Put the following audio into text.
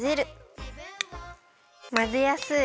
まぜやすい！